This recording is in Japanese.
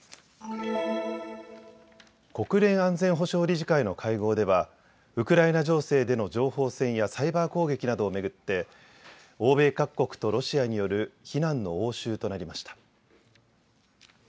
国連安全保障理事会の会合ではウクライナ情勢での情報戦やサイバー攻撃などを巡って欧米各国とロシアによる非難の応酬となりました。